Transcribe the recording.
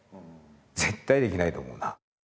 絶対できないと思うな。